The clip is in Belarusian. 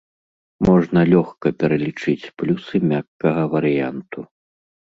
Можна лёгка пралічыць плюсы мяккага варыянту.